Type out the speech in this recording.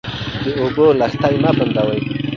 د اوبو لښتې مه بندوئ.